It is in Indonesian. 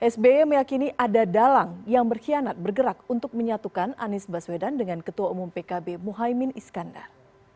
sby meyakini ada dalang yang berkhianat bergerak untuk menyatukan anies baswedan dengan ketua umum pkb muhaymin iskandar